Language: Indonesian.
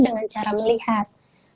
dengan cara melihat